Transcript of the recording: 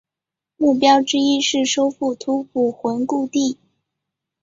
目标之一是收复吐谷浑故地。